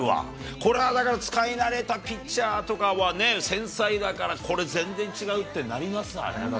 これはだから、使い慣れたピッチャーとかはね、繊細だから、これ全然違うってなりますわね。